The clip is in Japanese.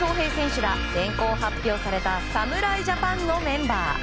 ら先行発表された侍ジャパンのメンバー。